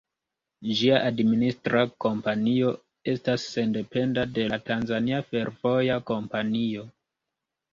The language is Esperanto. Ĝia administra kompanio estas sendependa de la Tanzania Fervoja Kompanio.